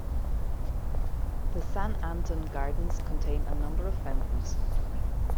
The San Anton Gardens contain a number of fountains.